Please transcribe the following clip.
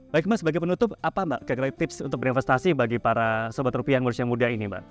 baik mas sebagai penutup apa kegerai tips untuk berinvestasi bagi para sobat rupiah indonesia muda ini